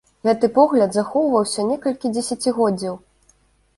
Гэты погляд захоўваўся некалькі дзесяцігоддзяў.